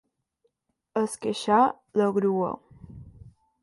Esqueixar la grua.